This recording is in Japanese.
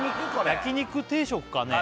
焼き肉定食かね